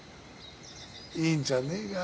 いいんじゃねえか。